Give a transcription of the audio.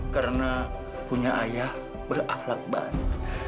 karena punya ayah berakhlak baik